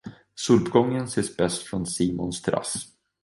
Soluppgången ses bäst från Simons terass.